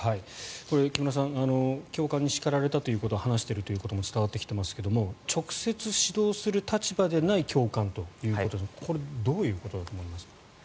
木村さん教官に叱られたということを話しているというのも伝わってきていますが直接指導する立場でない教官ということですがこれ、どういうことですか。